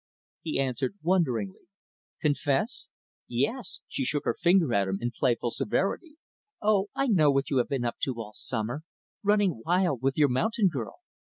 He answered wonderingly, "Confess?" "Yes." She shook her finger at him, in playful severity. "Oh, I know what you have been up to all summer running wild with your mountain girl!